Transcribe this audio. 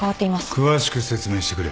詳しく説明してくれ。